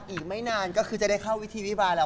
อีกไม่นานก็คือจะได้เข้าวิธีวิบาลแล้ว